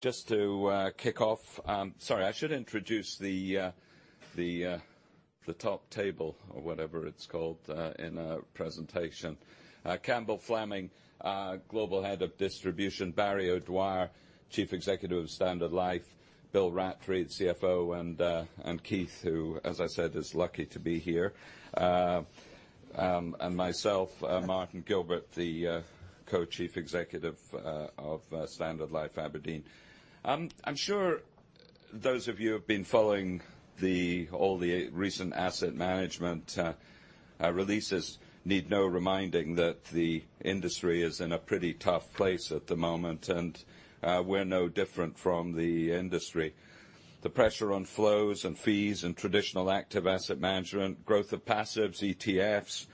Just to kick off. Sorry, I should introduce the top table or whatever it is called in a presentation. Campbell Fleming, Global Head of Distribution. Barry O'Dwyer, Chief Executive of Standard Life. Bill Rattray, CFO, and Keith, who as I said, is lucky to be here. Myself, Martin Gilbert, the Co-Chief Executive of Standard Life Aberdeen. I am sure those of you who have been following all the recent asset management releases need no reminding that the industry is in a pretty tough place at the moment. We are no different from the industry. The pressure on flows and fees and traditional active asset management, growth of passives, ETFs,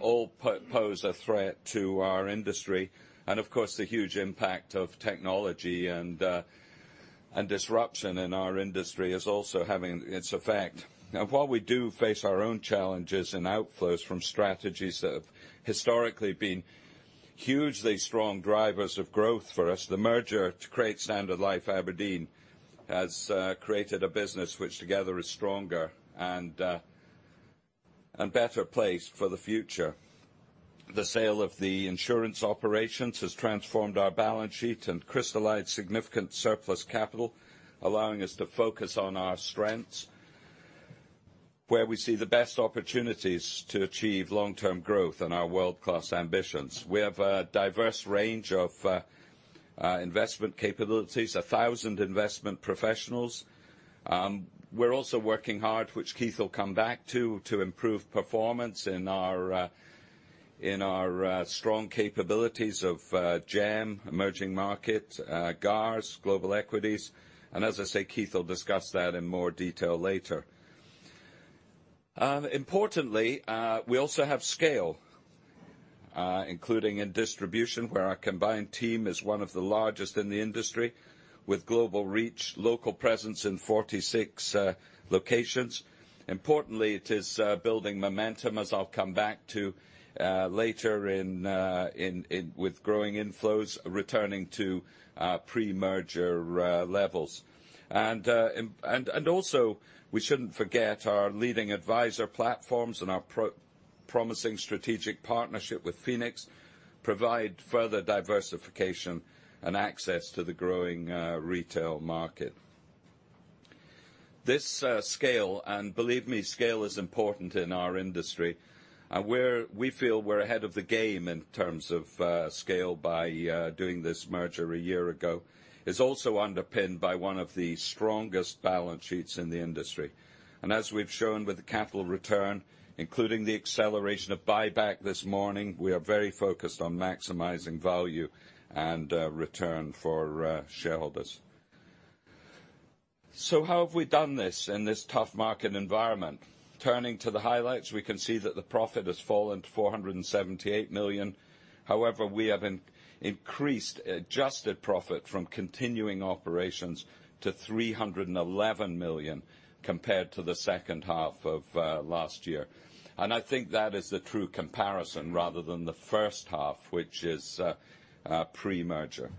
all pose a threat to our industry. Of course, the huge impact of technology and disruption in our industry is also having its effect. Now while we do face our own challenges in outflows from strategies that have historically been hugely strong drivers of growth for us, the merger to create Standard Life Aberdeen has created a business which together is stronger and better placed for the future. The sale of the insurance operations has transformed our balance sheet and crystallized significant surplus capital, allowing us to focus on our strengths, where we see the best opportunities to achieve long-term growth in our world-class ambitions. We have a diverse range of investment capabilities, 1,000 investment professionals. We are also working hard, which Keith will come back to improve performance in our strong capabilities of GEM, emerging market, GARS, global equities. As I say, Keith will discuss that in more detail later. Importantly, we also have scale, including in distribution, where our combined team is one of the largest in the industry with global reach, local presence in 46 locations. Importantly, it is building momentum, as I will come back to later with growing inflows returning to pre-merger levels. Also, we shouldn't forget our leading adviser platforms and our promising strategic partnership with Phoenix provide further diversification and access to the growing retail market. This scale, believe me, scale is important in our industry. We feel we are ahead of the game in terms of scale by doing this merger a year ago. It is also underpinned by one of the strongest balance sheets in the industry. As we have shown with the capital return, including the acceleration of buyback this morning, we are very focused on maximizing value and return for shareholders. How have we done this in this tough market environment? Turning to the highlights, we can see that the profit has fallen to 478 million. However, we have increased adjusted profit from continuing operations to 311 million compared to the second half of last year. I think that is the true comparison rather than the first half, which is pre-merger.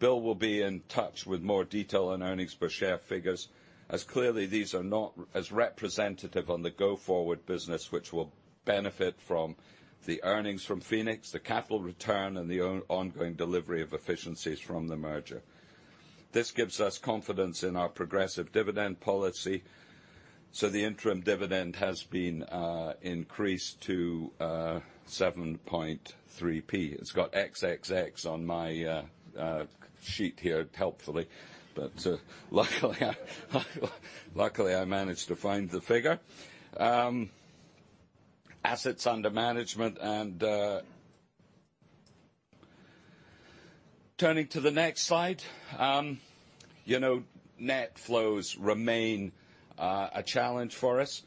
Bill will be in touch with more detail on earnings per share figures, as clearly these are not as representative on the go forward business, which will benefit from the earnings from Phoenix, the capital return, and the ongoing delivery of efficiencies from the merger. This gives us confidence in our progressive dividend policy, so the interim dividend has been increased to 0.073. It has got XXX on my sheet here helpfully, but luckily I managed to find the figure. Assets under management and turning to the next slide. Net flows remain a challenge for us.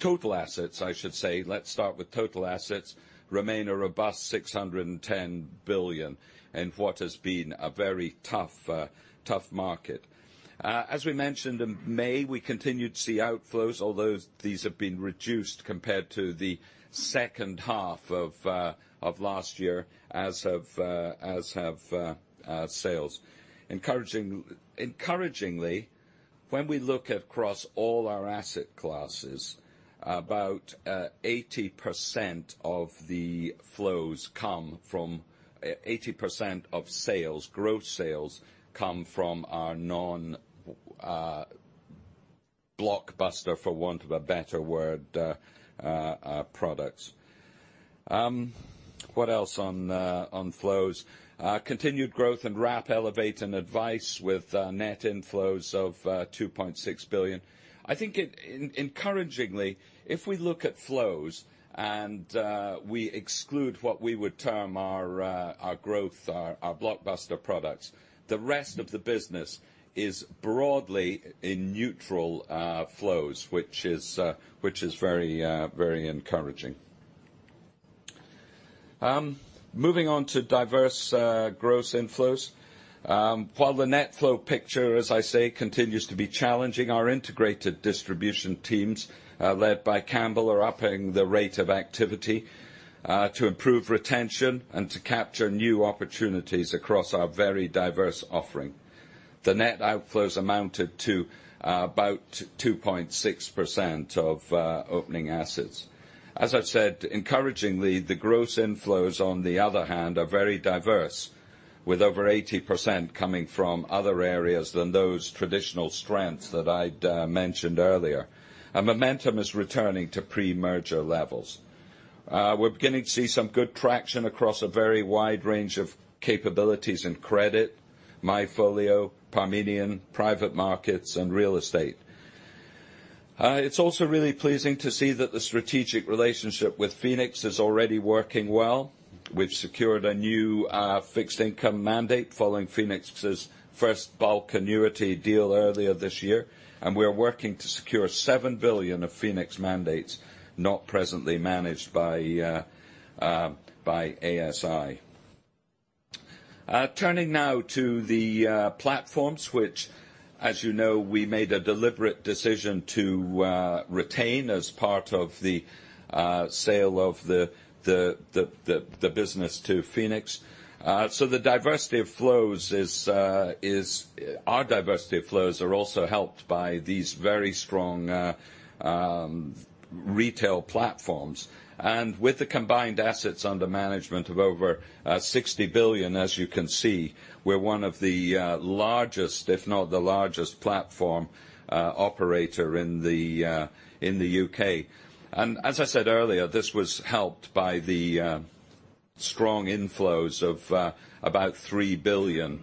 Total assets, I should say. Let's start with total assets remain a robust 610 billion in what has been a very tough market. As we mentioned in May, we continued to see outflows, although these have been reduced compared to the second half of last year, as have sales. Encouragingly, when we look across all our asset classes, about 80% of sales, growth sales, come from our non-blockbuster, for want of a better word, products. What else on flows? Continued growth in Wrap, Elevate, and Advice with net inflows of 2.6 billion. Encouragingly, if we look at flows and we exclude what we would term our growth, our blockbuster products, the rest of the business is broadly in neutral flows, which is very encouraging. Moving on to diverse gross inflows. While the net flow picture, as I say, continues to be challenging, our integrated distribution teams, led by Campbell, are upping the rate of activity to improve retention and to capture new opportunities across our very diverse offering. The net outflows amounted to about 2.6% of opening assets. As I've said, encouragingly, the gross inflows, on the other hand, are very diverse, with over 80% coming from other areas than those traditional strengths that I mentioned earlier. Momentum is returning to pre-merger levels. We're beginning to see some good traction across a very wide range of capabilities in credit, MyFolio, Pan-European, private markets, and real estate. It's also really pleasing to see that the strategic relationship with Phoenix is already working well. We've secured a new fixed income mandate following Phoenix's first bulk annuity deal earlier this year, and we are working to secure 7 billion of Phoenix mandates not presently managed by ASI. Turning now to the platforms, which, as you know, we made a deliberate decision to retain as part of the sale of the business to Phoenix. Our diversity of flows are also helped by these very strong retail platforms. With the combined assets under management of over 60 billion, as you can see, we're one of the largest, if not the largest platform operator in the U.K. As I said earlier, this was helped by the strong inflows of about 3 billion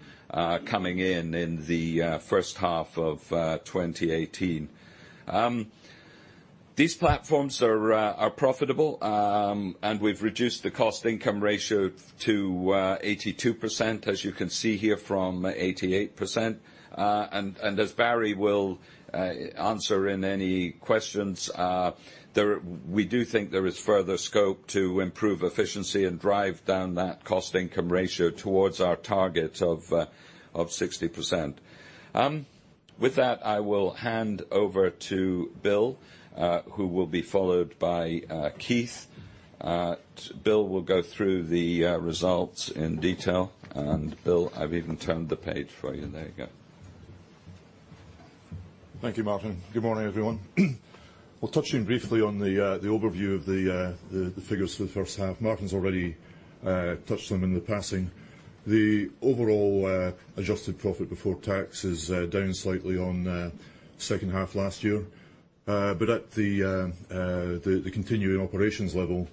coming in in the first half of 2018. These platforms are profitable, and we've reduced the cost income ratio to 82%, as you can see here, from 88%. As Barry will answer in any questions, we do think there is further scope to improve efficiency and drive down that cost income ratio towards our target of 60%. With that, I will hand over to Bill, who will be followed by Keith. Bill will go through the results in detail. Bill, I've even turned the page for you. There you go. Thank you, Martin. Good morning, everyone. Well, touching briefly on the overview of the figures for the first half. Martin's already touched on them in the passing. The overall adjusted profit before tax is down slightly on the second half last year. At the continuing operations level,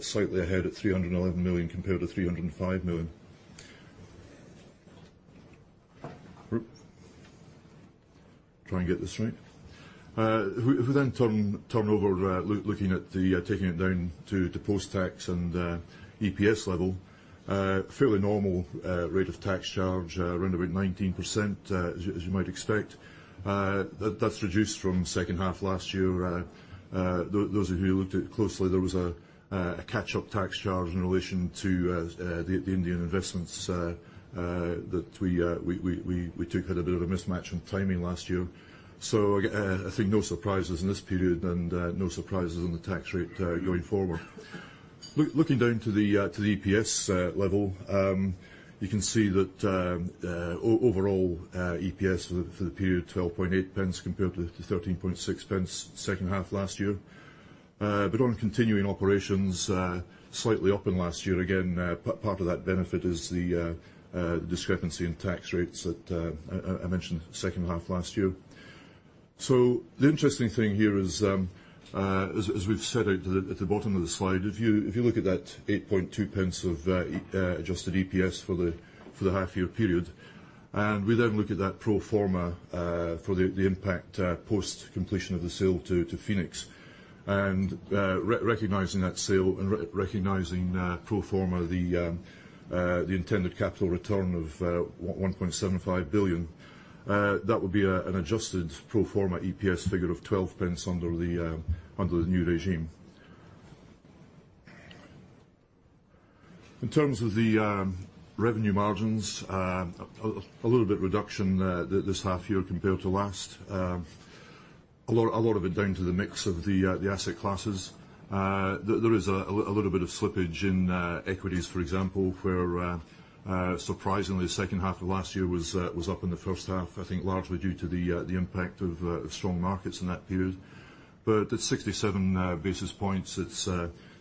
slightly ahead at 311 million compared to 305 million. Try and get this right. With that turnover, taking it down to post-tax and EPS level. Fairly normal rate of tax charge, around about 19%, as you might expect. That's reduced from second half last year. Those of you who looked at it closely, there was a catch-up tax charge in relation to the Indian investments that we took. Had a bit of a mismatch on timing last year. I think no surprises in this period and no surprises on the tax rate going forward. Looking down to the EPS level, you can see that overall EPS for the period, 0.128 compared to 0.136 second half last year. On continuing operations, slightly up in last year. Again, part of that benefit is the discrepancy in tax rates that I mentioned second half last year. The interesting thing here is, as we've set out at the bottom of the slide, if you look at that 0.082 of adjusted EPS for the half year period, and we then look at that pro forma for the impact post-completion of the sale to Phoenix. Recognizing that sale and recognizing pro forma, the intended capital return of 1.75 billion, that would be an adjusted pro forma EPS figure of 0.12 under the new regime. In terms of the revenue margins, a little bit reduction this half year compared to last. A lot of it down to the mix of the asset classes. There is a little bit of slippage in equities, for example, where surprisingly, the second half of last year was up in the first half, I think largely due to the impact of strong markets in that period. At 67 basis points, it's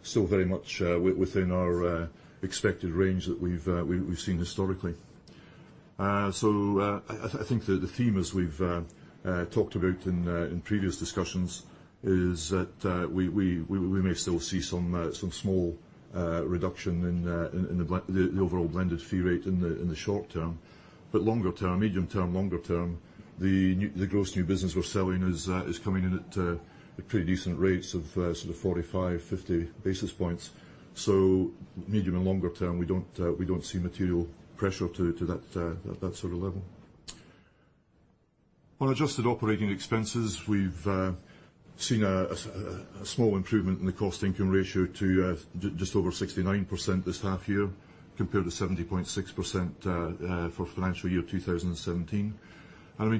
still very much within our expected range that we've seen historically. I think the theme, as we've talked about in previous discussions, is that we may still see some small reduction in the overall blended fee rate in the short term. Longer term, medium term, longer term, the gross new business we're selling is coming in at pretty decent rates of sort of 45, 50 basis points. Medium and longer term, we don't see material pressure at that sort of level. On adjusted operating expenses, we've seen a small improvement in the cost-income ratio to just over 69% this half year, compared to 70.6% for financial year 2017.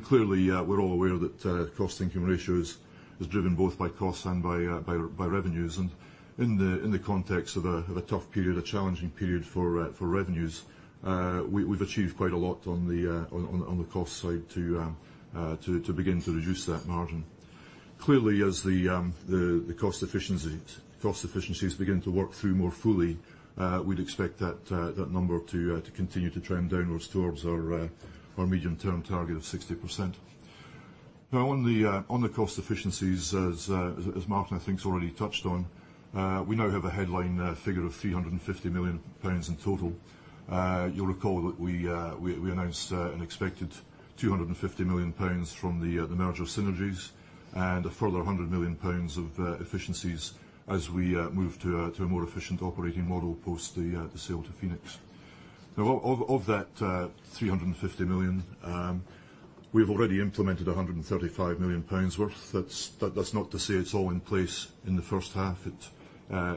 Clearly, we're all aware that cost-income ratio is driven both by costs and by revenues. In the context of a tough period, a challenging period for revenues, we've achieved quite a lot on the cost side to begin to reduce that margin. Clearly, as the cost efficiencies begin to work through more fully, we'd expect that number to continue to trend downwards towards our medium-term target of 60%. On the cost efficiencies, as Martin, I think, has already touched on, we now have a headline figure of 350 million pounds in total. You'll recall that we announced an expected 250 million pounds from the merger synergies and a further 100 million pounds of efficiencies as we move to a more efficient operating model post the sale to Phoenix Group. Of that 350 million, we've already implemented 135 million pounds worth. That's not to say it's all in place in the first half.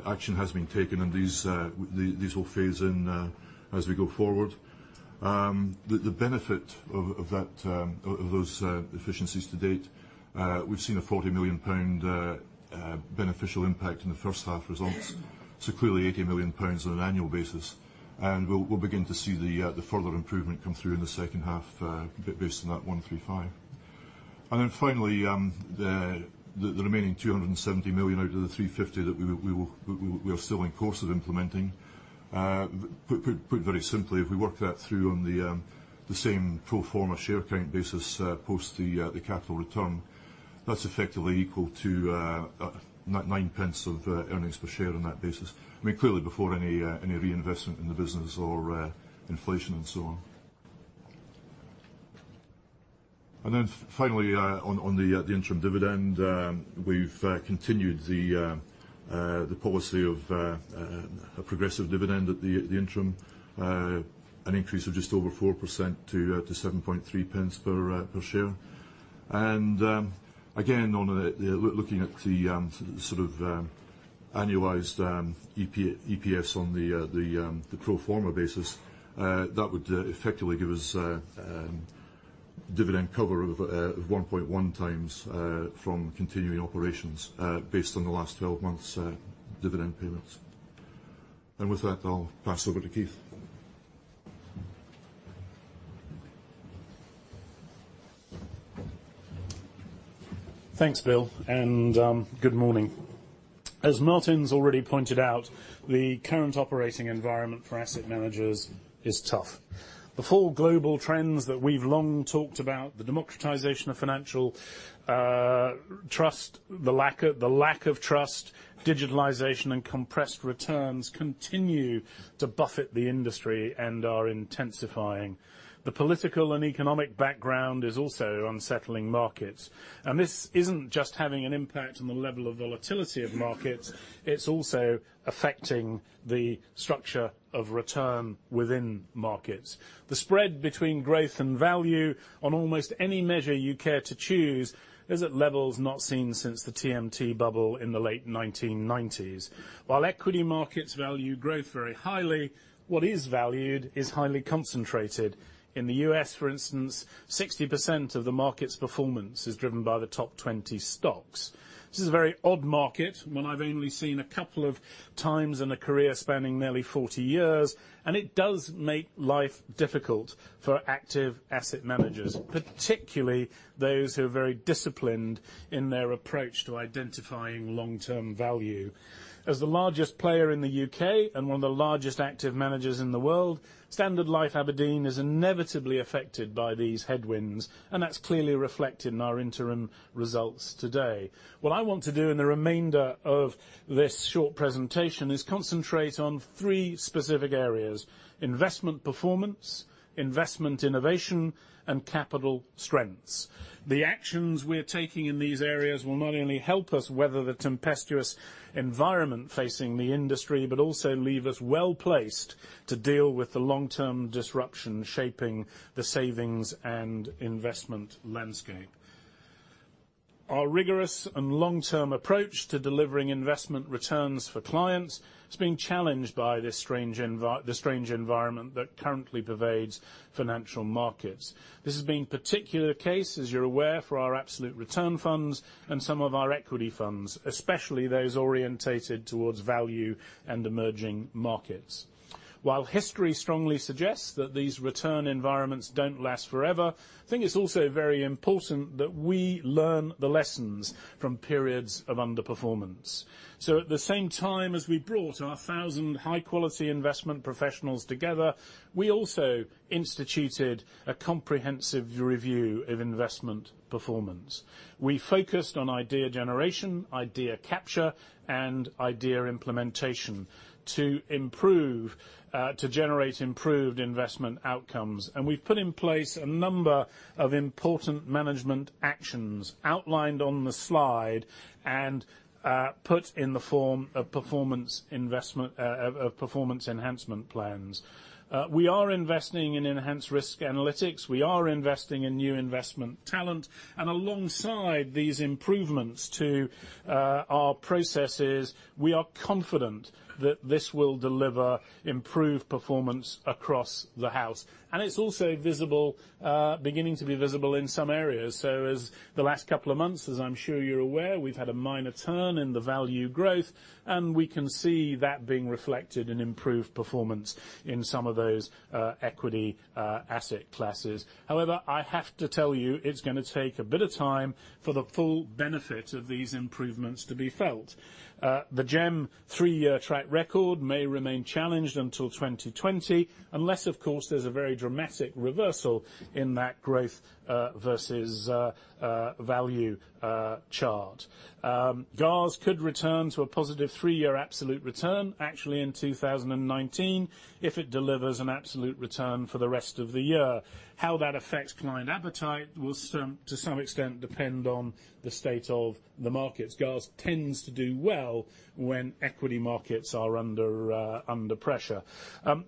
Action has been taken, and these will phase in as we go forward. The benefit of those efficiencies to date, we've seen a 40 million pound beneficial impact in the first half results. Clearly 80 million pounds on an annual basis. We'll begin to see the further improvement come through in the second half based on that 135. Finally, the remaining 270 million out of the 350 that we are still in course of implementing, put very simply, if we work that through on the same pro forma share count basis post the capital return, that's effectively equal to 0.09 of earnings per share on that basis. Clearly before any reinvestment in the business or inflation and so on. Finally, on the interim dividend, we've continued the policy of a progressive dividend at the interim, an increase of just over 4% to 0.073 per share. Again, looking at the sort of annualized EPS on the pro forma basis, that would effectively give us dividend cover of 1.1 times from continuing operations based on the last 12 months' dividend payments. With that, I'll pass over to Keith. Thanks, Bill, and good morning. As Martin's already pointed out, the current operating environment for asset managers is tough. The four global trends that we've long talked about, the democratization of financial trust, the lack of trust, digitalization, and compressed returns, continue to buffet the industry and are intensifying. The political and economic background is also unsettling markets. This isn't just having an impact on the level of volatility of markets, it's also affecting the structure of return within markets. The spread between growth and value on almost any measure you care to choose is at levels not seen since the TMT bubble in the late 1990s. While equity markets value growth very highly, what is valued is highly concentrated. In the U.S., for instance, 60% of the market's performance is driven by the top 20 stocks. This is a very odd market, one I've only seen a couple of times in a career spanning nearly 40 years, and it does make life difficult for active asset managers, particularly those who are very disciplined in their approach to identifying long-term value. As the largest player in the U.K. and one of the largest active managers in the world, Standard Life Aberdeen is inevitably affected by these headwinds, and that's clearly reflected in our interim results today. What I want to do in the remainder of this short presentation is concentrate on three specific areas: investment performance, investment innovation, and capital strengths. The actions we're taking in these areas will not only help us weather the tempestuous environment facing the industry, but also leave us well-placed to deal with the long-term disruption shaping the savings and investment landscape. Our rigorous and long-term approach to delivering investment returns for clients is being challenged by this strange environment that currently pervades financial markets. This has been particular case, as you're aware, for our absolute return funds and some of our equity funds, especially those orientated towards value and emerging markets. While history strongly suggests that these return environments don't last forever, I think it's also very important that we learn the lessons from periods of underperformance. At the same time as we brought our 1,000 high-quality investment professionals together, we also instituted a comprehensive review of investment performance. We focused on idea generation, idea capture, and idea implementation to generate improved investment outcomes. We've put in place a number of important management actions outlined on the slide and put in the form of performance enhancement plans. We are investing in enhanced risk analytics. We are investing in new investment talent. Alongside these improvements to our processes, we are confident that this will deliver improved performance across the house. It's also beginning to be visible in some areas. As the last couple of months, as I'm sure you're aware, we've had a minor turn in the value growth, and we can see that being reflected in improved performance in some of those equity asset classes. However, I have to tell you, it's going to take a bit of time for the full benefit of these improvements to be felt. The GEM three-year track record may remain challenged until 2020, unless, of course, there's a very dramatic reversal in that growth versus value chart. GARS could return to a positive three-year absolute return actually in 2019 if it delivers an absolute return for the rest of the year. How that affects client appetite will, to some extent, depend on the state of the markets. GARS tends to do well when equity markets are under pressure.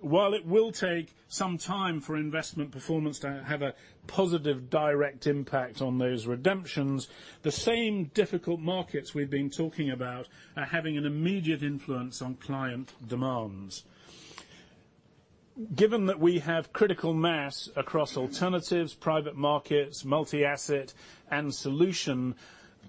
While it will take some time for investment performance to have a positive direct impact on those redemptions, the same difficult markets we've been talking about are having an immediate influence on client demands. Given that we have critical mass across alternatives, private markets, multi-asset, and solution,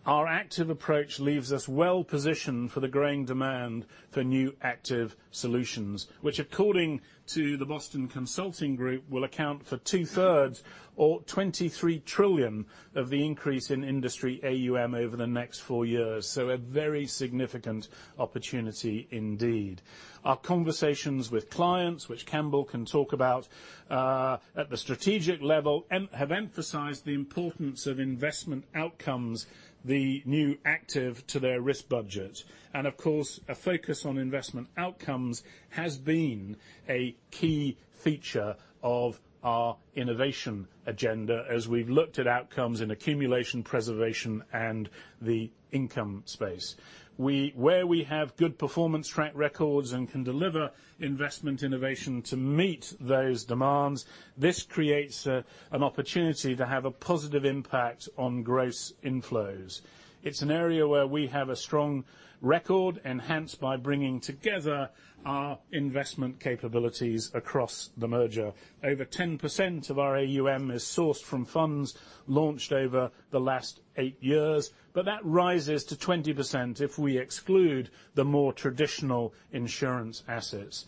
our active approach leaves us well-positioned for the growing demand for new active solutions, which according to the Boston Consulting Group, will account for two-thirds or 23 trillion of the increase in industry AUM over the next four years. A very significant opportunity indeed. Our conversations with clients, which Campbell can talk about at the strategic level, have emphasized the importance of investment outcomes, the new active to their risk budget. Of course, a focus on investment outcomes has been a key feature of our innovation agenda as we've looked at outcomes in accumulation, preservation, and the income space. Where we have good performance track records and can deliver investment innovation to meet those demands, this creates an opportunity to have a positive impact on gross inflows. It's an area where we have a strong record enhanced by bringing together our investment capabilities across the merger. Over 10% of our AUM is sourced from funds launched over the last eight years, but that rises to 20% if we exclude the more traditional insurance assets.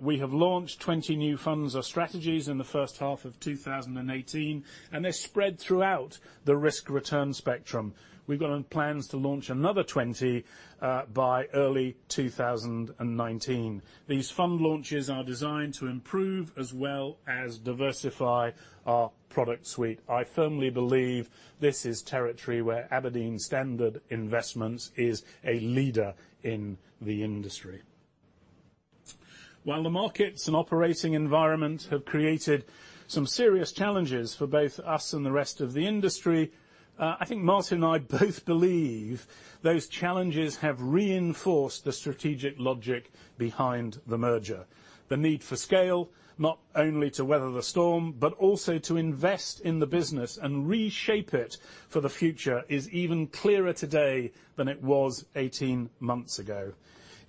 We have launched 20 new funds or strategies in the first half of 2018. They're spread throughout the risk-return spectrum. We've got plans to launch another 20 by early 2019. These fund launches are designed to improve as well as diversify our product suite. I firmly believe this is territory where Aberdeen Standard Investments is a leader in the industry. While the markets and operating environment have created some serious challenges for both us and the rest of the industry, I think Martin and I both believe those challenges have reinforced the strategic logic behind the merger. The need for scale, not only to weather the storm, but also to invest in the business and reshape it for the future is even clearer today than it was 18 months ago.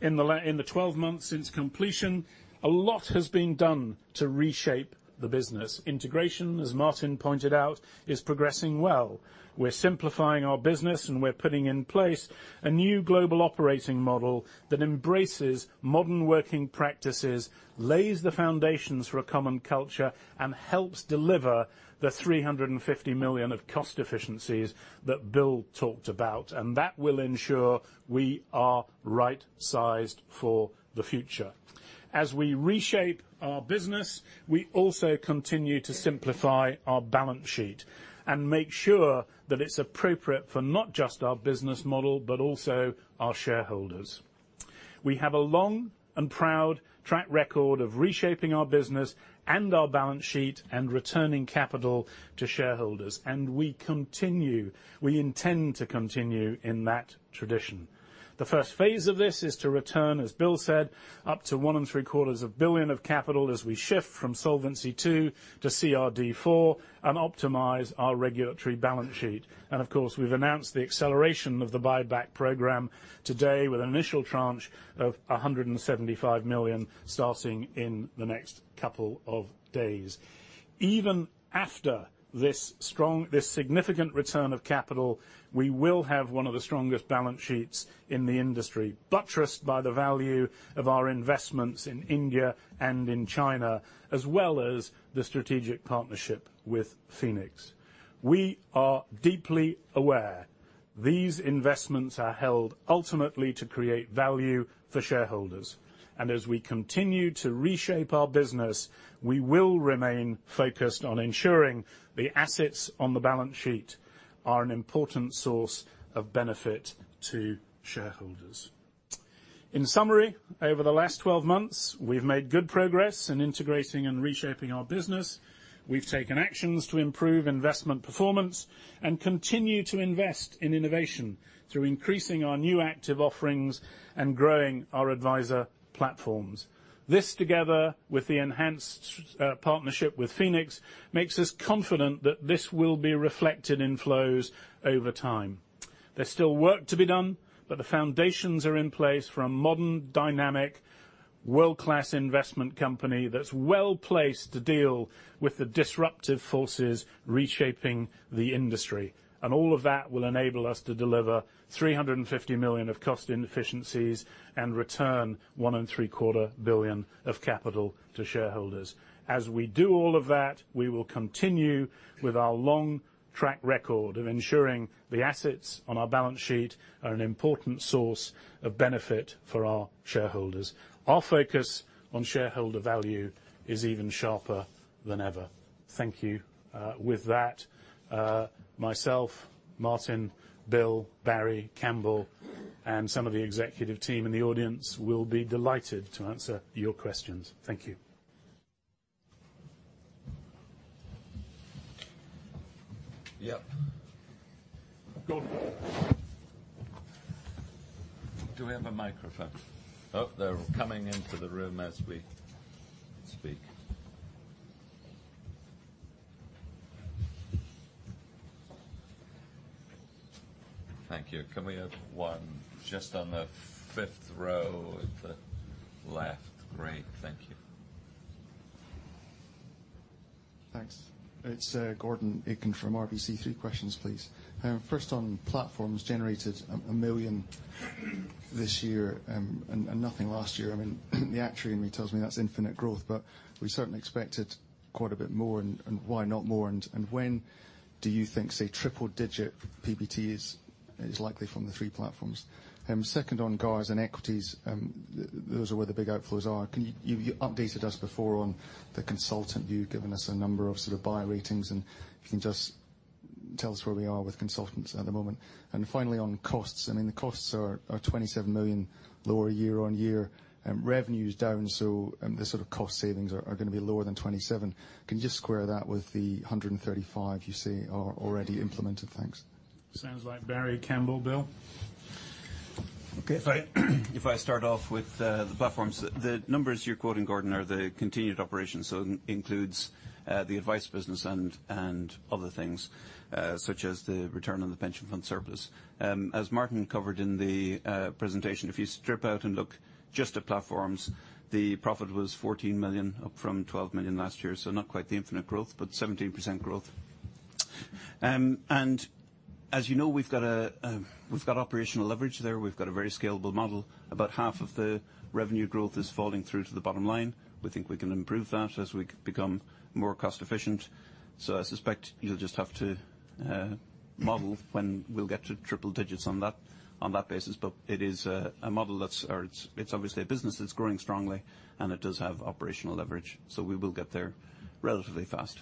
In the 12 months since completion, a lot has been done to reshape the business. Integration, as Martin pointed out, is progressing well. We're simplifying our business, and we're putting in place a new global operating model that embraces modern working practices, lays the foundations for a common culture, and helps deliver the 350 million of cost efficiencies that Bill talked about. That will ensure we are right-sized for the future. As we reshape our business, we also continue to simplify our balance sheet and make sure that it's appropriate for not just our business model, but also our shareholders. We have a long proud track record of reshaping our business and our balance sheet, and returning capital to shareholders. We intend to continue in that tradition. The first phase of this is to return, as Bill said, up to one and three quarters of billion GBP of capital as we shift from Solvency II to CRD IV, and optimize our regulatory balance sheet. Of course, we've announced the acceleration of the buyback program today with an initial tranche of 175 million starting in the next couple of days. Even after this significant return of capital, we will have one of the strongest balance sheets in the industry, buttressed by the value of our investments in India and in China, as well as the strategic partnership with Phoenix. We are deeply aware these investments are held ultimately to create value for shareholders. As we continue to reshape our business, we will remain focused on ensuring the assets on the balance sheet are an important source of benefit to shareholders. In summary, over the last 12 months, we've made good progress in integrating and reshaping our business. We've taken actions to improve investment performance and continue to invest in innovation through increasing our new active offerings and growing our adviser platforms. This, together with the enhanced partnership with Phoenix, makes us confident that this will be reflected in flows over time. There's still work to be done, but the foundations are in place for a modern, dynamic, world-class investment company that's well-placed to deal with the disruptive forces reshaping the industry. All of that will enable us to deliver 350 million of cost inefficiencies and return one and three quarter billion GBP of capital to shareholders. As we do all of that, we will continue with our long track record of ensuring the assets on our balance sheet are an important source of benefit for our shareholders. Our focus on shareholder value is even sharper than ever. Thank you. With that, myself, Martin, Bill, Barry Campbell, and some of the executive team in the audience will be delighted to answer your questions. Thank you. Yep. Gordon. Do we have a microphone? Oh, they're coming into the room as we speak. Thank you. Can we have one just on the fifth row at the left. Great. Thank you. Thanks. It's Gordon Aitken from RBC. Three questions, please. First on platforms. Generated 1 million this year. Nothing last year. I mean, the actuary tells me that's infinite growth, but we certainly expected quite a bit more, and why not more? When do you think, say, triple digit PBT is likely from the three platforms? Second on GARS and equities. Those are where the big outflows are. You updated us before on the consultant. You've given us a number of sort of buy ratings. If you can just tell us where we are with consultants at the moment. Finally, on costs. I mean, the costs are 27 million lower year-on-year. Revenue's down, so the sort of cost savings are going to be lower than 27 million. Can you just square that with the 135 million you say are already implemented? Thanks. Sounds like Barry, Campbell, Bill. Okay. If I start off with the platforms. The numbers you're quoting, Gordon, are the continued operations, so includes the Advice business and other things. Such as the return on the pension fund surplus. As Martin covered in the presentation, if you strip out and look just at platforms, the profit was 14 million up from 12 million last year. Not quite the infinite growth, but 17% growth. As you know, we've got operational leverage there. We've got a very scalable model. About half of the revenue growth is falling through to the bottom line. We think we can improve that as we become more cost efficient. I suspect you'll just have to model when we'll get to triple digits on that basis. It's obviously a business that's growing strongly, and it does have operational leverage. We will get there relatively fast.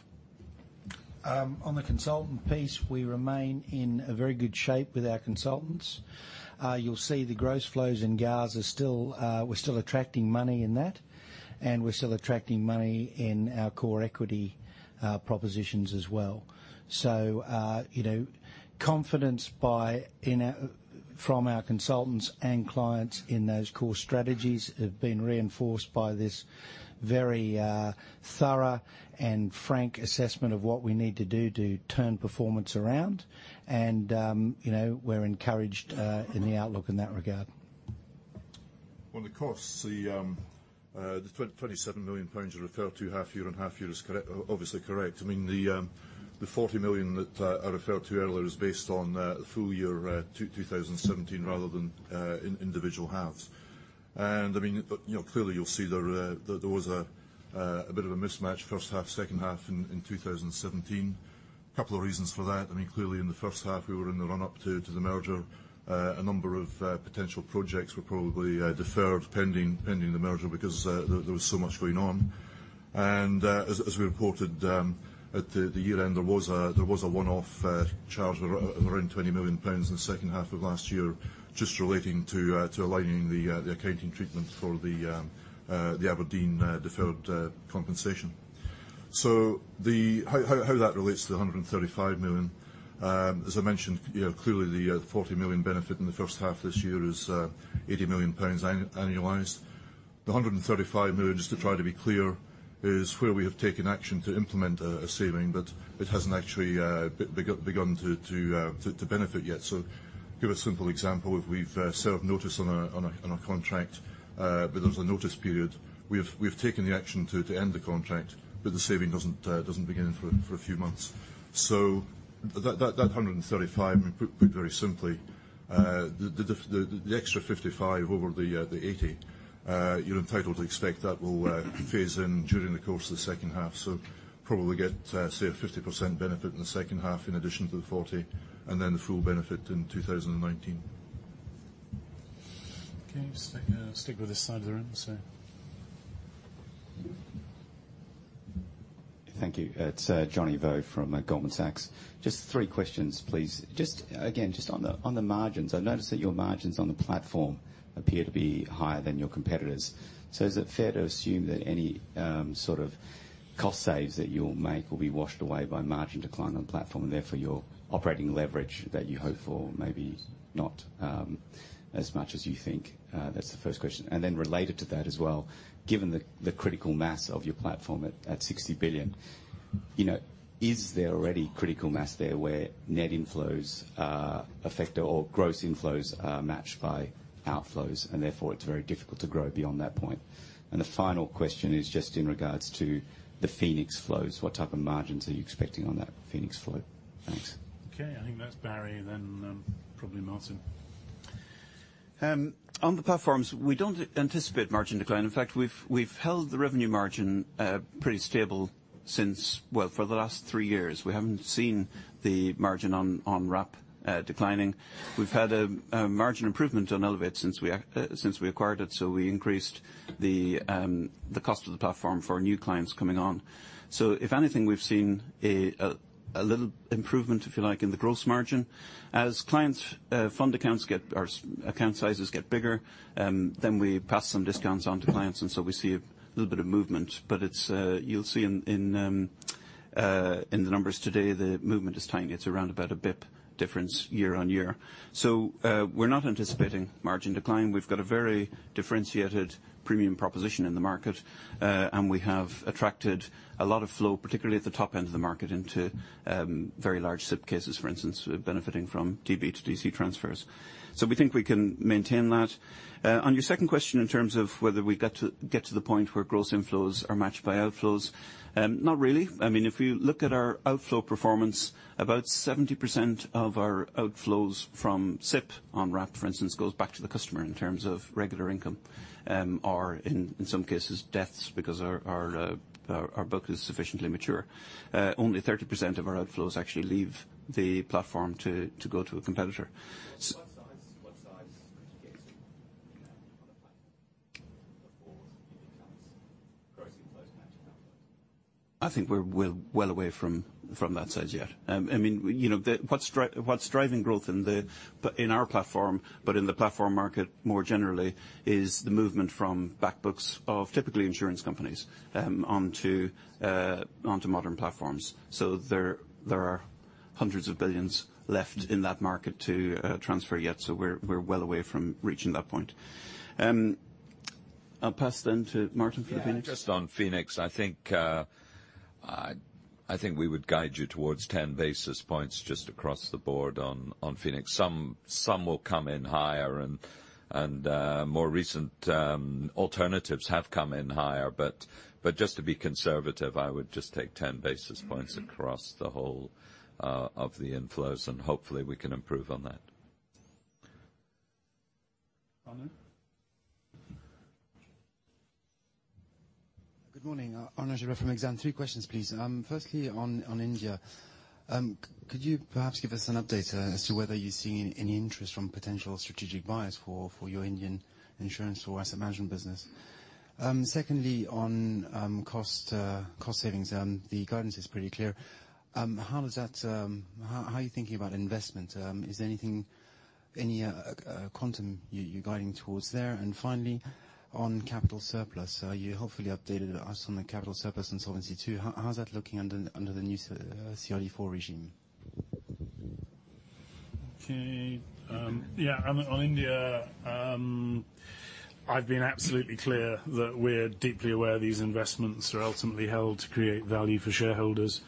On the consultant piece, we remain in a very good shape with our consultants. You'll see the gross flows in GARS are still attracting money in that, and we're still attracting money in our core equity propositions as well. Confidence from our consultants and clients in those core strategies have been reinforced by this very thorough and frank assessment of what we need to do to turn performance around. We're encouraged in the outlook in that regard. On the costs, the 27 million pounds you referred to, half year and half year is obviously correct. I mean, the 40 million that I referred to earlier is based on full year 2017, rather than individual halves. Clearly, you'll see there was a bit of a mismatch first half, second half in 2017. Couple of reasons for that. Clearly, in the first half, we were in the run-up to the merger. A number of potential projects were probably deferred pending the merger because there was so much going on. As we reported at the year-end, there was a one-off charge of around 20 million pounds in the second half of last year, just relating to aligning the accounting treatment for the Aberdeen deferred compensation. How that relates to the 135 million, as I mentioned, clearly the 40 million benefit in the first half this year is 80 million pounds annualized. The 135 million, just to try to be clear, is where we have taken action to implement a saving, but it hasn't actually begun to benefit yet. Give a simple example. If we've served notice on a contract, but there was a notice period, we've taken the action to end the contract, but the saving doesn't begin for a few months. That 135, put very simply, the extra 55 over the 80, you're entitled to expect that will phase in during the course of the second half. Probably get, say, a 50% benefit in the second half in addition to the 40, and then the full benefit in 2019. Okay. Stick with this side of the room. Sir. Thank you. It's Johnny Vo from Goldman Sachs. Just three questions, please. Just on the margins, I noticed that your margins on the platform appear to be higher than your competitors'. Is it fair to assume that any sort of cost saves that you'll make will be washed away by margin decline on platform, and therefore your operating leverage that you hope for may be not as much as you think? That's the first question. Related to that as well, given the critical mass of your platform at 60 billion, is there already critical mass there where net inflows affect, or gross inflows are matched by outflows, and therefore it's very difficult to grow beyond that point? The final question is just in regards to the Phoenix Group flows. What type of margins are you expecting on that Phoenix Group flow? Thanks. Okay. I think that's Barry, probably Martin. On the platforms, we don't anticipate margin decline. In fact, we've held the revenue margin pretty stable since, well, for the last three years. We haven't seen the margin on Wrap declining. We've had a margin improvement on Elevate since we acquired it, we increased the cost of the platform for new clients coming on. If anything, we've seen a little improvement, if you like, in the gross margin. As client fund accounts get, or account sizes get bigger, we pass some discounts on to clients, we see a little bit of movement. You'll see in the numbers today, the movement is tiny. It's around about a bip difference year-on-year. We're not anticipating margin decline. We've got a very differentiated premium proposition in the market. We have attracted a lot of flow, particularly at the top end of the market, into very large SIPP cases, for instance, benefitting from DB to DC transfers. We think we can maintain that. On your second question, in terms of whether we get to the point where gross inflows are matched by outflows, not really. If you look at our outflow performance, about 70% of our outflows from SIPP on Wrap, for instance, goes back to the customer in terms of regular income. In some cases, deaths, because our book is sufficiently mature. Only 30% of our outflows actually leave the platform to go to a competitor. What size to get to on a platform before you become gross inflows matched by outflows? I think we're well away from that size yet. What's driving growth in our platform, but in the platform market more generally, is the movement from back books of typically insurance companies onto modern platforms. There are hundreds of billions left in that market to transfer yet, so we're well away from reaching that point. I'll pass then to Martin for the Phoenix. Yeah, just on Phoenix, I think we would guide you towards 10 basis points just across the board on Phoenix. Some will come in higher, and more recent alternatives have come in higher. Just to be conservative, I would just take 10 basis points across the whole of the inflows, and hopefully we can improve on that. Arnaud. Good morning. Arnaud Giblat from Exane. Three questions, please. Firstly, on India. Could you perhaps give us an update as to whether you're seeing any interest from potential strategic buyers for your Indian insurance or asset management business? Secondly, on cost savings. The guidance is pretty clear. How are you thinking about investment? Is there any quantum you're guiding towards there? Finally, on capital surplus. You hopefully updated us on the capital surplus in Solvency II. How's that looking under the new CRD IV regime? Okay. Yeah. On India, I've been absolutely clear that we're deeply aware these investments are ultimately held to create value for shareholders,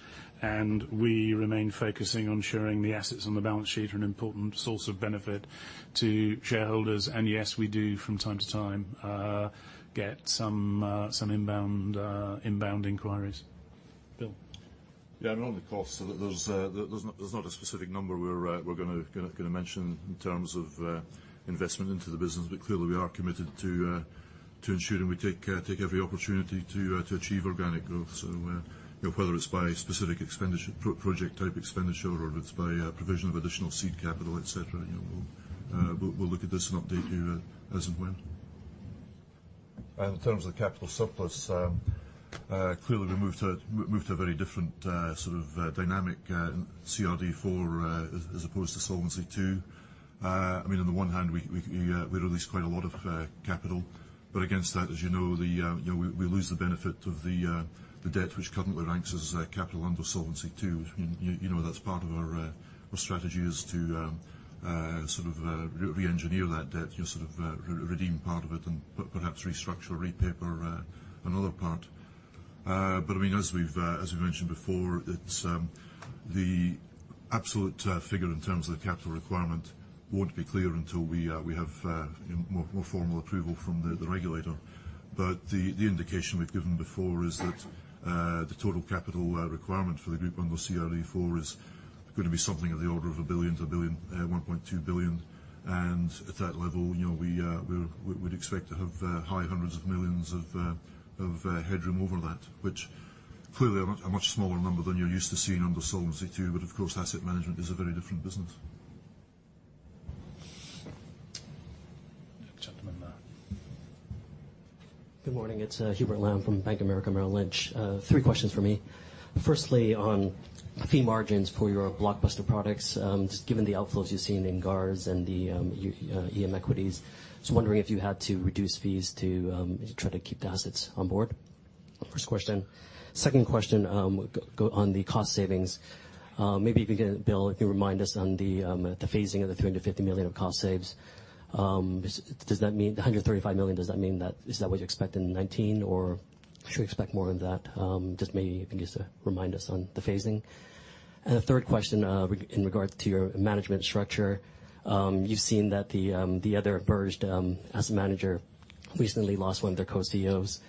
and we remain focusing on ensuring the assets on the balance sheet are an important source of benefit to shareholders. Yes, we do from time to time get some inbound inquiries. Bill. Yeah, on the costs, there's not a specific number we're going to mention in terms of investment into the business. Clearly, we are committed to ensuring we take every opportunity to achieve organic growth. Whether it's by specific project-type expenditure, or it's by provision of additional seed capital, et cetera, we'll look at this and update you as and when. In terms of the capital surplus, clearly we moved to a very different sort of dynamic CRD IV as opposed to Solvency II. On the one hand, we released quite a lot of capital. Against that, as you know, we lose the benefit of the debt, which currently ranks as capital under Solvency II. You know that's part of our strategy is to re-engineer that debt, redeem part of it, and perhaps restructure or repaper another part. As we've mentioned before, the absolute figure in terms of the capital requirement won't be clear until we have more formal approval from the regulator. The indication we've given before is that the total capital requirement for the group under CRD IV is going to be something of the order of 1 billion-1.2 billion. At that level, we'd expect to have high hundreds of millions of headroom over that, which clearly are a much smaller number than you're used to seeing under Solvency II, but of course, asset management is a very different business. The gentleman there. Good morning. It's Hubert Lam from Bank of America Merrill Lynch. Three questions from me. Firstly, on fee margins for your blockbuster products. Just given the outflows you've seen in GARS and the EM equities, just wondering if you had to reduce fees to try to keep the assets on board? First question. Second question, on the cost savings. Maybe Bill, if you remind us on the phasing of the 350 million of cost saves. The 135 million, is that what you expect in 2019, or should we expect more than that? Just maybe if you could just remind us on the phasing. The third question, in regards to your management structure. You've seen that the other merged asset manager recently lost one of their co-CEOs.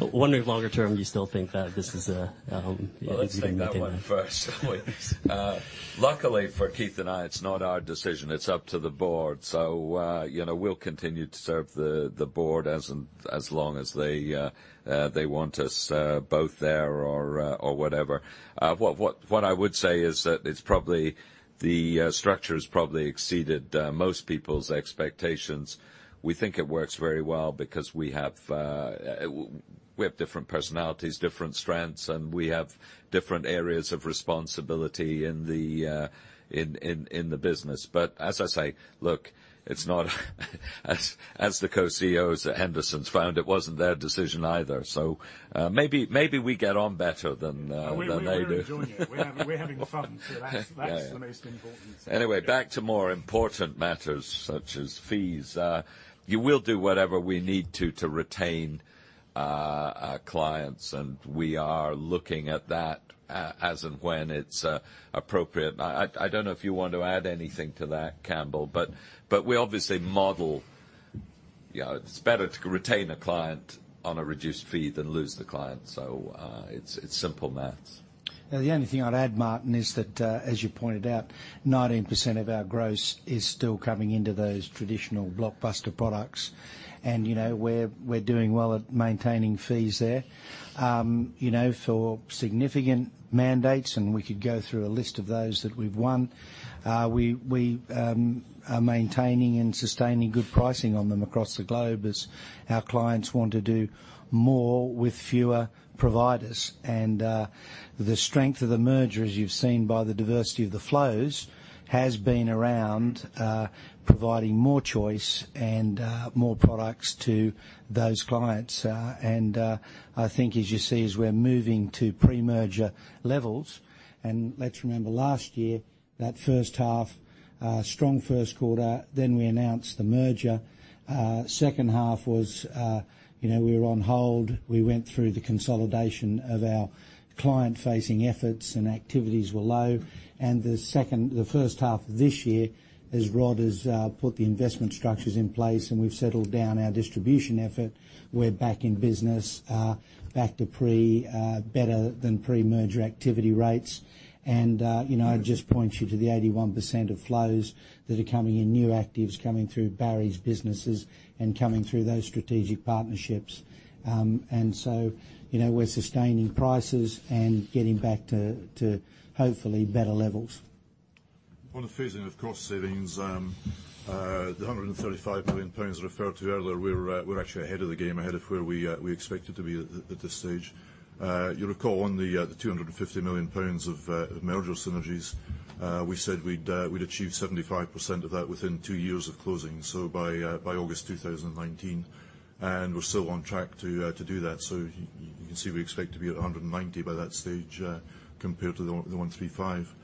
Wondering if longer term you still think that this is a- Well, let's take that one first. Luckily for Keith and I, it's not our decision. It's up to the board. We'll continue to serve the board as long as they want us both there or whatever. What I would say is that the structure has probably exceeded most people's expectations. We think it works very well because we have different personalities, different strengths, and we have different areas of responsibility in the business. As I say, look, as the co-CEOs at Henderson's found, it wasn't their decision either. Maybe we get on better than they do. We're enjoying it. We're having fun, that's the most important thing. Anyway, back to more important matters such as fees. We'll do whatever we need to retain our clients. We are looking at that as and when it's appropriate. I don't know if you want to add anything to that, Campbell. We obviously model It's better to retain a client on a reduced fee than lose the client. It's simple math. The only thing I'd add, Martin Gilbert, is that, as you pointed out, 19% of our gross is still coming into those traditional blockbuster products. We're doing well at maintaining fees there. For significant mandates, and we could go through a list of those that we've won, we are maintaining and sustaining good pricing on them across the globe as our clients want to do more with fewer providers. The strength of the merger, as you've seen by the diversity of the flows, has been around providing more choice and more products to those clients. I think as you see, as we're moving to pre-merger levels, and let's remember last year, that first half, strong first quarter, then we announced the merger. Second half was we were on hold. We went through the consolidation of our client-facing efforts and activities were low. The first half of this year, as Rod Paris has put the investment structures in place and we've settled down our distribution effort, we're back in business, back to better than pre-merger activity rates. I'd just point you to the 81% of flows that are coming in, new actives coming through Barry O'Dwyer's businesses and coming through those strategic partnerships. So we're sustaining prices and getting back to hopefully better levels. On the phasing of cost savings, the 135 million pounds referred to earlier, we're actually ahead of the game, ahead of where we expected to be at this stage. You'll recall on the 250 million pounds of merger synergies, we said we'd achieve 75% of that within two years of closing, so by August 2019. We're still on track to do that. You can see we expect to be at 190 million by that stage, compared to the 135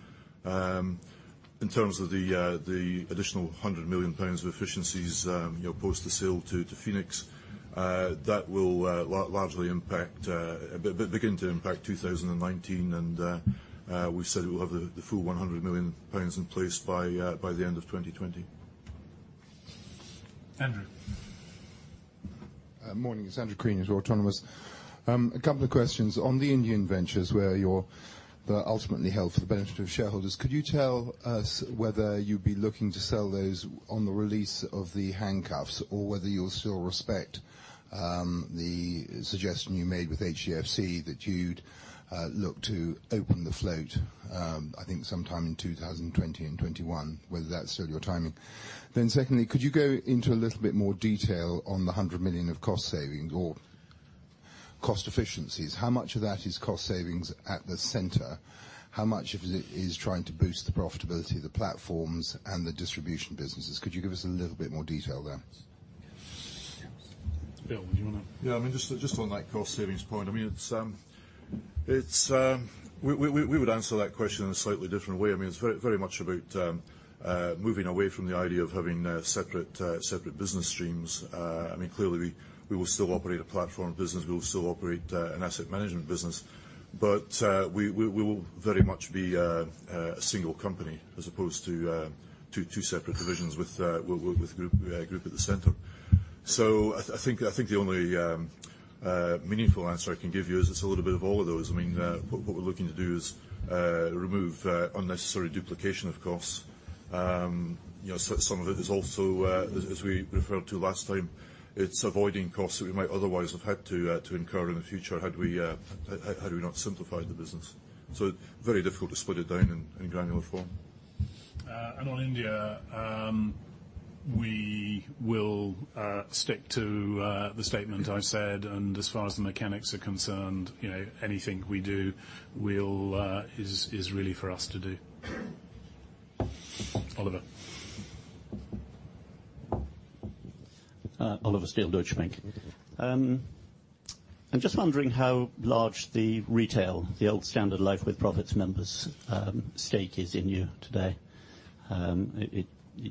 million. In terms of the additional 100 million pounds of efficiencies, post the sale to Phoenix Group, that will begin to impact 2019, and we said we'll have the full 100 million pounds in place by the end of 2020. Andrew. Morning. It's Andrew Crean with Autonomous Research. A couple of questions. On the Indian ventures where you're ultimately held for the benefit of shareholders, could you tell us whether you'd be looking to sell those on the release of the handcuffs or whether you'll still respect the suggestion you made with HDFC Bank that you'd look to open the float, I think sometime in 2020 and 2021, whether that's still your timing? Secondly, could you go into a little bit more detail on the 100 million of cost savings or cost efficiencies? How much of that is cost savings at the center? How much of it is trying to boost the profitability of the platforms and the distribution businesses? Could you give us a little bit more detail there? Bill, would you want to? Yeah. Just on that cost savings point, we would answer that question in a slightly different way. It's very much about moving away from the idea of having separate business streams. Clearly, we will still operate a platform business. We will still operate an asset management business. We will very much be a single company as opposed to two separate divisions with a group at the center. I think the only meaningful answer I can give you is it's a little bit of all of those. What we're looking to do is remove unnecessary duplication of costs. Some of it is also, as we referred to last time, it's avoiding costs that we might otherwise have had to incur in the future had we not simplified the business. Very difficult to split it down in granular form. On India, we will stick to the statement I said, and as far as the mechanics are concerned, anything we do is really for us to do. Oliver. Oliver Steel, Deutsche Bank. I'm just wondering how large the retail, the old Standard Life with Profits members stake is in you today. It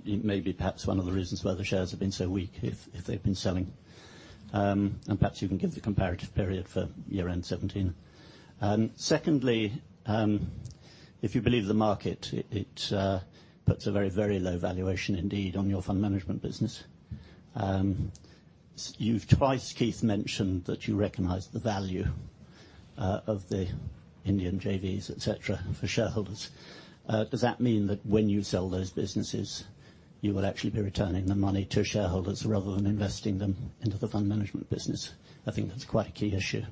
may be perhaps one of the reasons why the shares have been so weak, if they've been selling. Perhaps you can give the comparative period for year end 2017. Secondly, if you believe the market, it puts a very low valuation indeed on your fund management business. You've twice, Keith, mentioned that you recognize the value of the Indian JVs, et cetera, for shareholders. Does that mean that when you sell those businesses, you will actually be returning the money to shareholders rather than investing them into the fund management business? I think that's quite a key issue.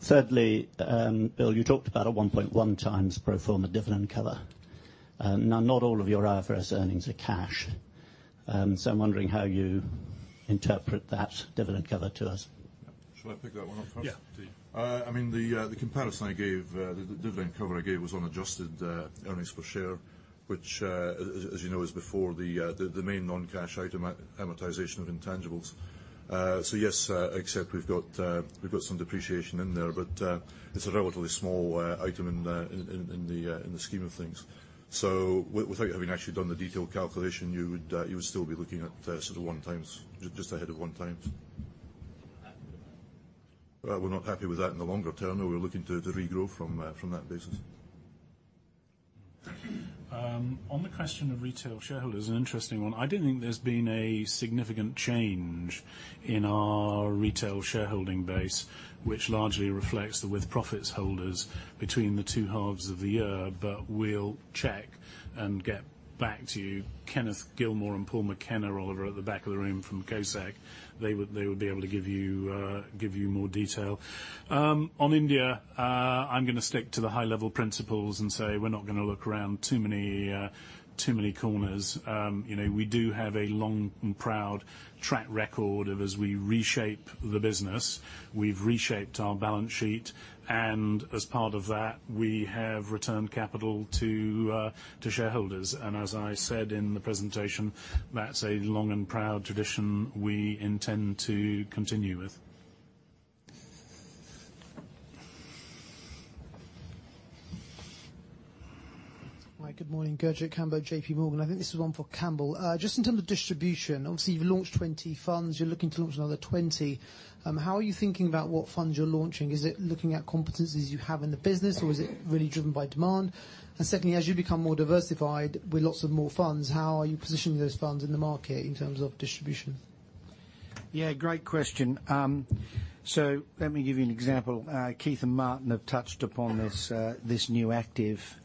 Thirdly, Bill, you talked about a 1.1 times pro forma dividend cover. Not all of your IFRS earnings are cash, so I'm wondering how you interpret that dividend cover to us. Shall I pick that one off first? Yeah, please. The comparison I gave, the dividend cover I gave was on adjusted earnings per share, which, as you know, is before the main non-cash item amortization of intangibles. Yes, except we've got some depreciation in there, but it's a relatively small item in the scheme of things. Without having actually done the detailed calculation, you would still be looking at sort of one times, just ahead of one times. Are you happy with that? We're not happy with that in the longer term. No, we're looking to regrow from that basis. On the question of retail shareholders, an interesting one. I don't think there's been a significant change in our retail shareholding base, which largely reflects the with profits holders between the two halves of the year. We'll check and get back to you. Kenneth Gilmour and Paul McKenna, Oliver, at the back of the room from Co-Sec. They would be able to give you more detail. On India, I'm going to stick to the high level principles and say we're not going to look around too many corners. We do have a long and proud track record of as we reshape the business. We've reshaped our balance sheet, and as part of that, we have returned capital to shareholders. As I said in the presentation, that's a long and proud tradition we intend to continue with. Hi. Good morning. Gurjit Kambo, JPMorgan. I think this is one for Campbell. Just in terms of distribution, obviously you've launched 20 funds, you're looking to launch another 20. How are you thinking about what funds you're launching? Is it looking at competencies you have in the business, or is it really driven by demand? Secondly, as you become more diversified with lots of more funds, how are you positioning those funds in the market in terms of distribution? Great question. Let me give you an example. Keith and Martin have touched upon this new active,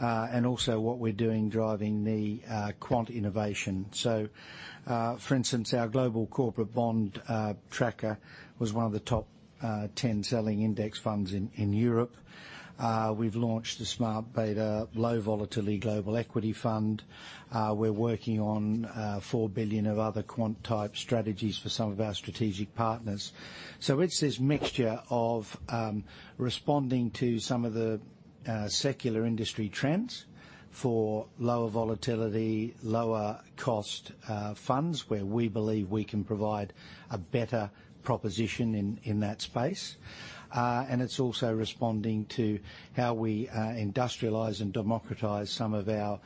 and also what we are doing driving the quant innovation. For instance, our global corporate bond tracker was one of the top 10 selling index funds in Europe. We have launched the smart beta low volatility global equity fund. We are working on 4 billion of other quant-type strategies for some of our strategic partners. It is this mixture of responding to some of the secular industry trends for lower volatility, lower cost funds, where we believe we can provide a better proposition in that space. And it is also responding to how we industrialize and democratize some of our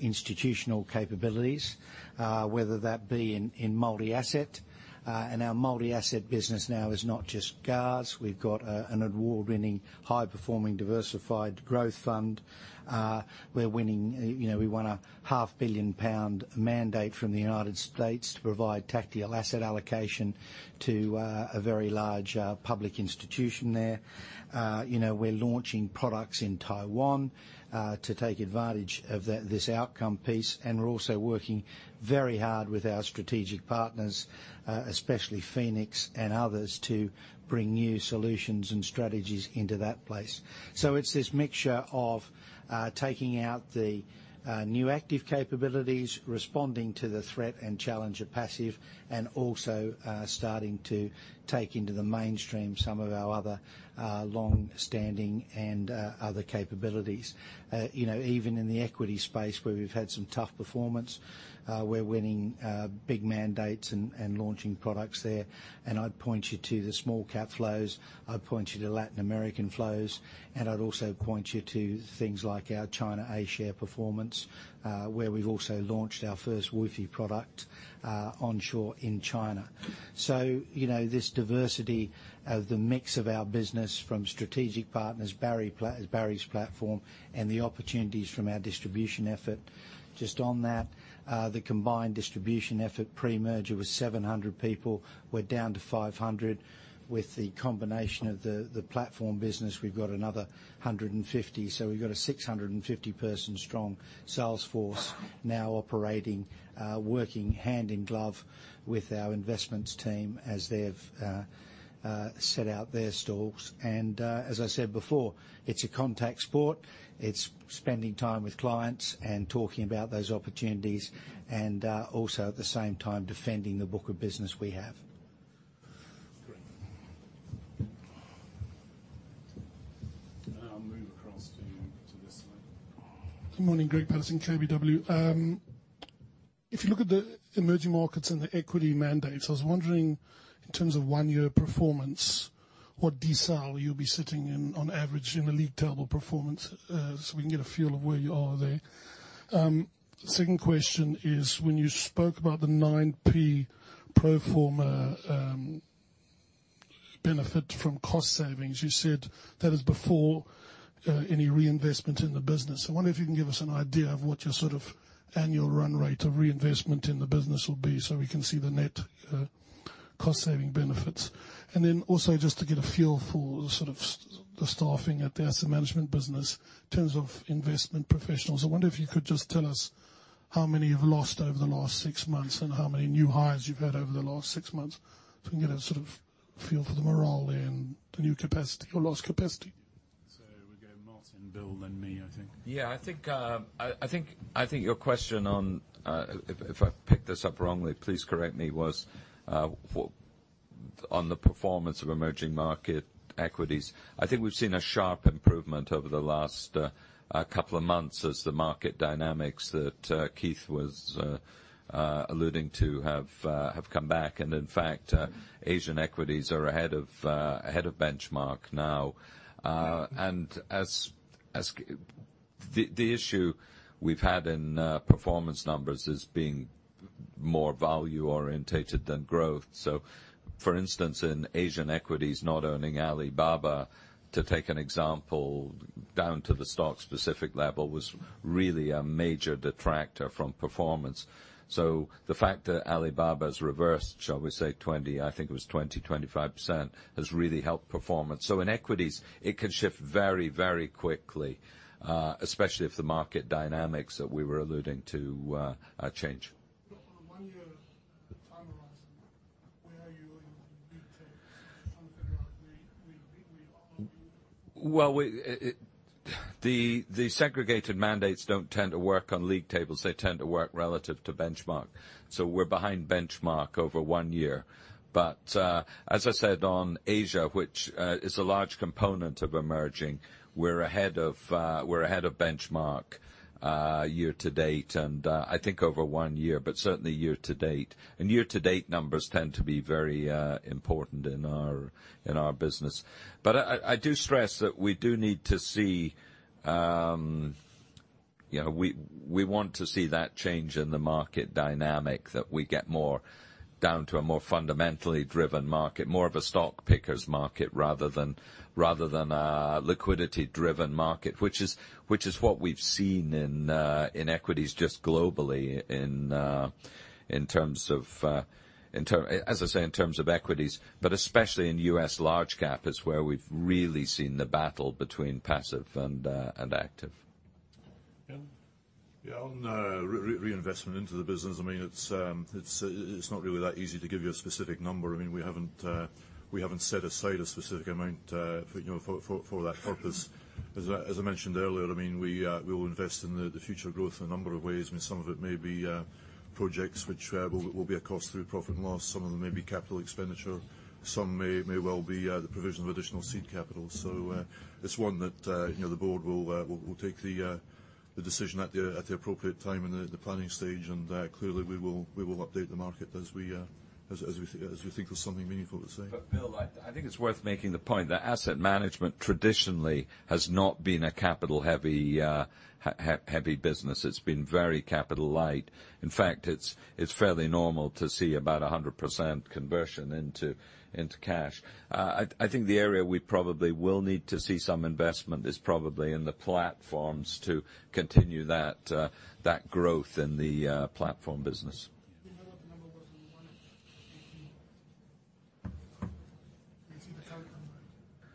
institutional capabilities, whether that be in multi-asset. And our multi-asset business now is not just GARS. We have got an award-winning high-performing diversified growth fund. We won a half billion GBP mandate from the U.S. to provide tactical asset allocation to a very large public institution there. We are launching products in Taiwan to take advantage of this outcome piece. And we are also working very hard with our strategic partners, especially Phoenix and others, to bring new solutions and strategies into that place. So it is this mixture of taking out the new active capabilities, responding to the threat and challenge of passive, and also starting to take into the mainstream some of our other long-standing and other capabilities. Even in the equity space where we have had some tough performance, we are winning big mandates and launching products there. I'd point you to the small cap flows, I'd point you to Latin American flows, and I'd also point you to things like our China A-share performance where we have also launched our first WFOE product onshore in China. So, this diversity of the mix of our business from strategic partners, Barry's platform, and the opportunities from our distribution effort. Just on that, the combined distribution effort pre-merger was 700 people. We are down to 500. With the combination of the platform business, we have got another 150. We've got a 650-person strong sales force now operating, working hand in glove with our investments team as they've set out their stalls. As I said before, it's a contact sport. It's spending time with clients and talking about those opportunities, and also at the same time defending the book of business we have. Great. I'll move across to this side. Good morning, Greig Paterson, KBW. If you look at the emerging markets and the equity mandates, I was wondering in terms of one-year performance, what decile you'll be sitting in on average in the league table performance, so we can get a feel of where you are there. Second question is, when you spoke about the 9P pro forma benefit from cost savings, you said that is before any reinvestment in the business. I wonder if you can give us an idea of what your sort of annual run rate of reinvestment in the business will be so we can see the net cost saving benefits. Also just to get a feel for the sort of the staffing at the asset management business in terms of investment professionals, I wonder if you could just tell us how many you've lost over the last six months and how many new hires you've had over the last six months, so we can get a sort of feel for the morale there and the new capacity or lost capacity. We go Martin, Bill, then me, I think. Yeah, I think your question on, if I picked this up wrongly, please correct me, was on the performance of emerging market equities. I think we've seen a sharp improvement over the last couple of months as the market dynamics that Keith was alluding to have come back and, in fact, Asian equities are ahead of benchmark now. The issue we've had in performance numbers as being more value-oriented than growth. For instance, in Asian equities, not owning Alibaba, to take an example down to the stock-specific level, was really a major detractor from performance. The fact that Alibaba's reversed, shall we say, 20, I think it was 20, 25%, has really helped performance. In equities, it can shift very quickly, especially if the market dynamics that we were alluding to change. On a one-year time horizon, where are you in league tables? I want to figure out where you are. The segregated mandates don't tend to work on league tables. They tend to work relative to benchmark. We're behind benchmark over one year. As I said, on Asia, which is a large component of emerging, we're ahead of benchmark year to date, and I think over one year, but certainly year to date. Year to date numbers tend to be very important in our business. I do stress that we want to see that change in the market dynamic, that we get more down to a more fundamentally driven market, more of a stock picker's market rather than a liquidity-driven market, which is what we've seen in equities just globally as I say, in terms of equities. Especially in U.S. large cap is where we've really seen the battle between passive and active. On reinvestment into the business, it's not really that easy to give you a specific number. We haven't set aside a specific amount for that purpose. As I mentioned earlier, we will invest in the future growth in a number of ways. Some of it may be projects which will be a cost through profit and loss. Some of them may be capital expenditure. Some may well be the provision of additional seed capital. It's one that the board will take the decision at the appropriate time in the planning stage, and clearly we will update the market as we think there's something meaningful to say. Bill, I think it's worth making the point that asset management traditionally has not been a capital-heavy business. It's been very capital light. In fact, it's fairly normal to see about 100% conversion into cash. I think the area we probably will need to see some investment is probably in the platforms to continue that growth in the platform business.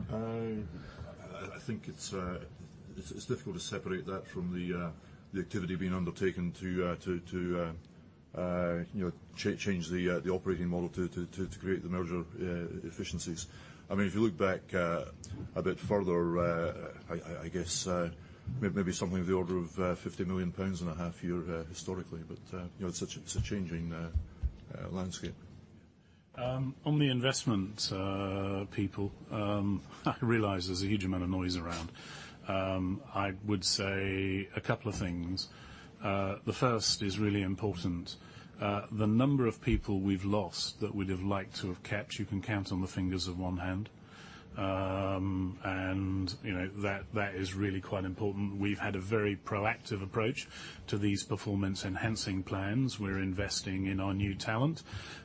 Bill, what number were you wanting to see the current number? I think it's difficult to separate that from the activity being undertaken to change the operating model to create the merger efficiencies. You look back a bit further, I guess maybe something of the order of 50 million pounds in a half year historically, it's a changing landscape. On the investment, people, I realize there's a huge amount of noise around. I would say a couple of things. The first is really important. The number of people we've lost that we'd have liked to have kept, you can count on the fingers of one hand. That is really quite important. We've had a very proactive approach to these performance-enhancing plans. We're investing in our new talent,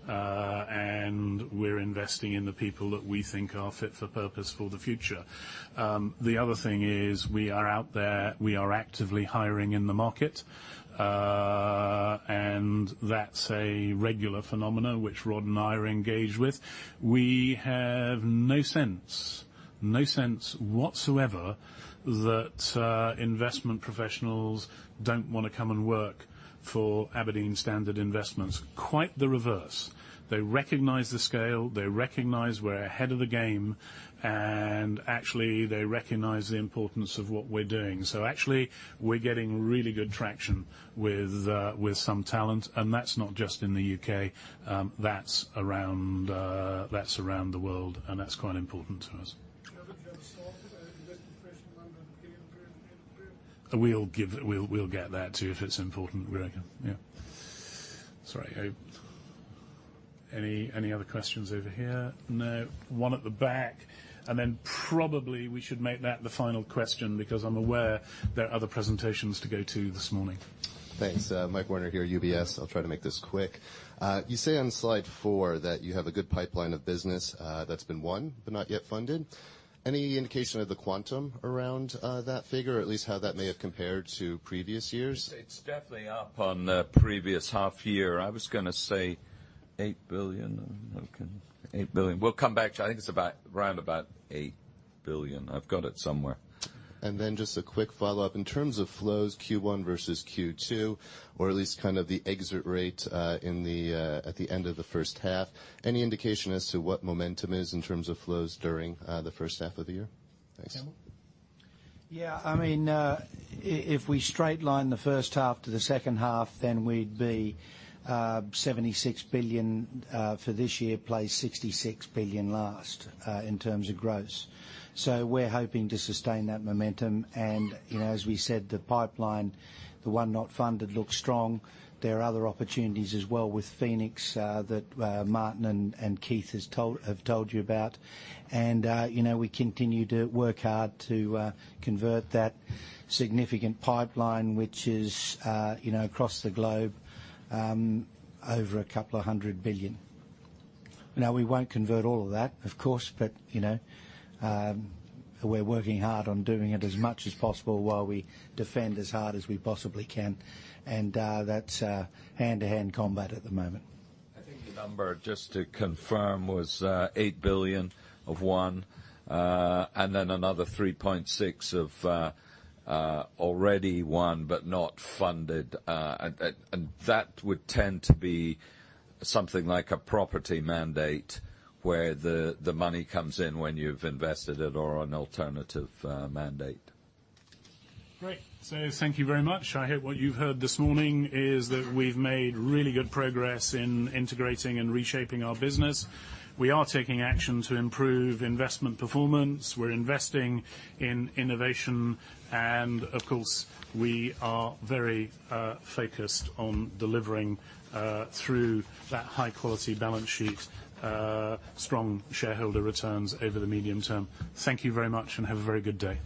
we're investing in the people that we think are fit for purpose for the future. The other thing is we are out there. We are actively hiring in the market, that's a regular phenomena which Rod and I are engaged with. We have no sense whatsoever that investment professionals don't want to come and work for Aberdeen Standard Investments. Quite the reverse. They recognize the scale. They recognize we're ahead of the game, actually, they recognize the importance of what we're doing. Actually, we're getting really good traction with some talent, that's not just in the U.K., that's around the world, that's quite important to us. The other bit I was sort of investment professional number at the Aberdeen Group. We'll get that, too, if it's important, Greig. Sorry, Hope. Any other questions over here? One at the back, then probably we should make that the final question because I'm aware there are other presentations to go to this morning. Thanks. Michael Werner here, UBS. I'll try to make this quick. You say on slide four that you have a good pipeline of business that's been won but not yet funded. Any indication of the quantum around that figure, at least how that may have compared to previous years? It's definitely up on the previous half year. I was going to say 8 billion. We'll come back to you. I think it's around about 8 billion. I've got it somewhere. Just a quick follow-up. In terms of flows Q1 versus Q2, or at least kind of the exit rate at the end of the first half, any indication as to what momentum is in terms of flows during the first half of the year? Thanks. Campbell? Yeah. If we straight line the first half to the second half, we'd be 76 billion for this year, plus 66 billion last in terms of gross. We're hoping to sustain that momentum. As we said, the pipeline, the one not funded looks strong. There are other opportunities as well with Phoenix that Martin and Keith have told you about. We continue to work hard to convert that significant pipeline, which is across the globe over GBP a couple of hundred billion. We won't convert all of that, of course, but we're working hard on doing it as much as possible while we defend as hard as we possibly can. That's hand-to-hand combat at the moment. I think the number, just to confirm, was 8 billion of won, another 3.6 billion of already won but not funded. That would tend to be something like a property mandate where the money comes in when you've invested it or an alternative mandate. Great. Thank you very much. I hope what you've heard this morning is that we've made really good progress in integrating and reshaping our business. We are taking action to improve investment performance. We're investing in innovation, of course, we are very focused on delivering through that high-quality balance sheet, strong shareholder returns over the medium term. Thank you very much and have a very good day.